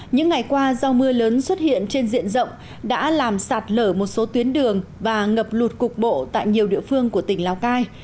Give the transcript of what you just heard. những ngày qua do mưa lớn xuất hiện trên diện rộng đã làm sạt lở một số tuyến đường và ngập lụt cục bộ tại nhiều địa phương của tỉnh lào cai